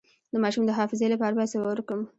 د ماشوم د حافظې لپاره باید څه ورکړم؟